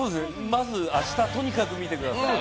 まず明日、とにかく見てください。